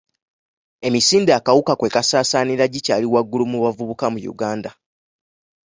Emisinde akawuka kwe kasaasaanira gikyali waggulu mu bavubuka mu Uganda.